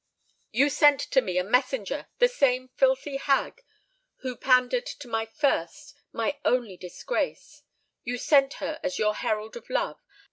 You sent to me a messenger—the same filthy hag who pandered to my first, my only disgrace,—you sent her as your herald of love.